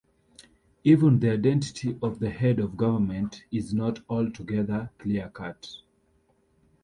Even the identity of the head of government is not altogether clear-cut.